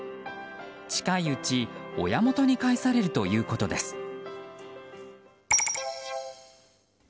近いうち親元に返されるということです。